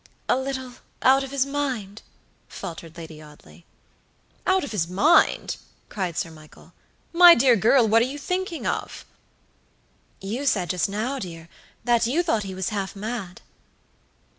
"A little out of his mind?" faltered Lady Audley. "Out of his mind!" cried Sir Michael. "My dear girl, what are you thinking of?" "You said just now, dear, that you thought he was half mad."